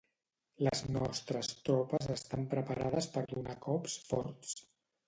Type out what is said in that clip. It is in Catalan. Les nostres tropes estan preparades per donar cops forts.